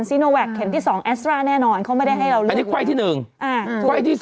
ใช่แบบส่วนใหญ่คนอยากจะบอกว่า